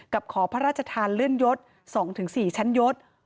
ขอพระราชทานเลื่อนยศ๒๔ชั้นยศ